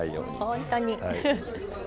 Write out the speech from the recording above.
本当に。